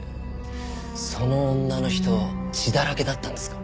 その女の人血だらけだったんですか？